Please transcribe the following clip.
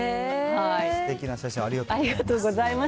すてきな写真をありがとうございます。